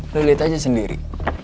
lo lihat aja sendiri